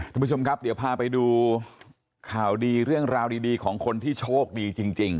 ท่านผู้ชมครับเดี๋ยวพาไปดูข่าวดีเรื่องราวดีของคนที่โชคดีจริง